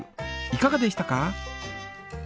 いかがでしたか？